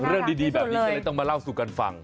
เรื่องดีแบบนี้ก็เลยต้องมาเล่าสู่กันฟัง